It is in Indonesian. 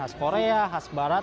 khas korea khas barat